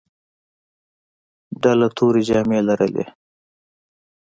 ډله تورې جامې لرلې.